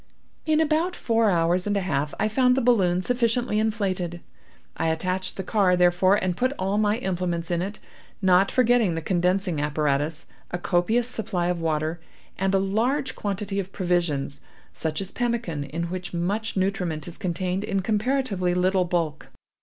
"In about four hours and a half I found the balloon sufficiently inflated. I attached the car, therefore, and put all my implements in it—not forgetting the condensing apparatus, a copious supply of water, and a large quantity of provisions, such as pemmican, in which much nutriment is contained in comparatively little bulk.